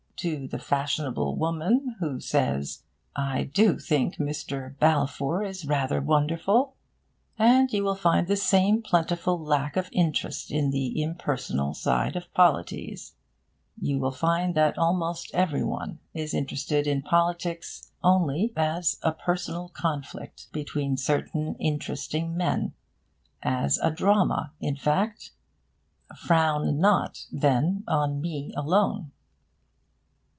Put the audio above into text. to the fashionable woman who says 'I do think Mr. Balfour is rather wonderful!' and you will find the same plentiful lack of interest in the impersonal side of polities. You will find that almost every one is interested in politics only as a personal conflict between certain interesting men as a drama, in fact. Frown not, then, on me alone.